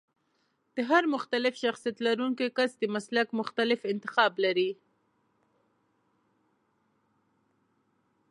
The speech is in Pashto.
د هر مختلف شخصيت لرونکی کس د مسلک مختلف انتخاب لري.